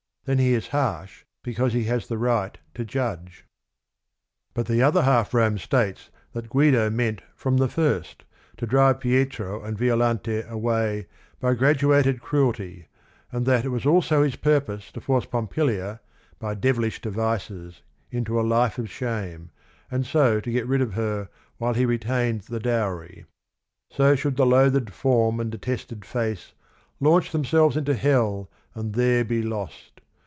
Then he is harsh be cause he has the right to judge. THE OTHER HALF ROME 35 Bu t The Other Half Rome states that Guid o meantj rom the first to drive Pietro and Violan te away by "graduated cruelty," and that it was also his purpose to force Pompilia by devilish devices into a life of shame and so to get rid of her while he retained the dowry. " So should the loathed form and detested face Launch themselves into hell and there be lost.